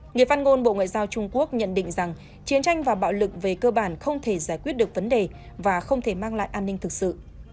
người phát ngôn bộ ngoại giao trung quốc nhận định rằng chiến tranh và bạo lực về cơ bản không thể giải quyết được vấn đề và không thể mang lại an ninh thực sự